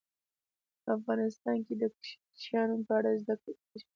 افغانستان کې د کوچیانو په اړه زده کړه کېږي.